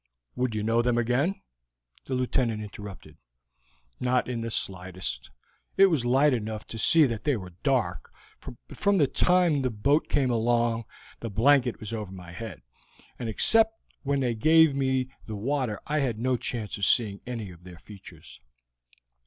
"Would you know them again?" the Lieutenant interrupted. "Not in the slightest; it was light enough to see that they were dark, but from the time the boat came along the blanket was over my head, and except when they gave me the water I had no chance of seeing any of their features.